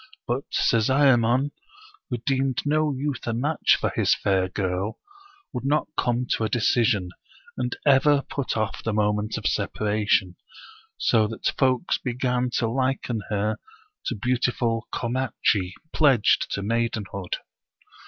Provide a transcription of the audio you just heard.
But Sezaemon, who deemed no youth a match for his fair girl, would not come to a de cision, and ever put off the moment of separation, so that folks began to liken her to beautiful Komatchi; pledged to maidenhood.